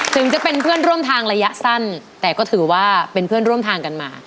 ถึงจะเป็นเพื่อนร่วมทางระยะสั้นแต่ก็ถือว่าเป็นเพื่อนร่วมทางกันมา